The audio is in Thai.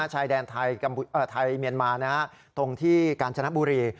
ชายแดนไทยเมียนมานะคะตรงการจนบุรี